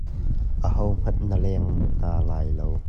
Ahohmanh na hleng hna lai lo.